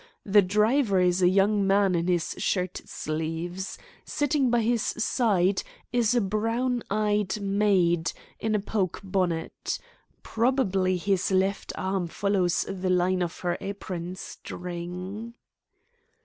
The driver is a young man in his shirt sleeves. Sitting by his side is a brown eyed maid in a poke bonnet. Probably his left arm follows the line of her apron string."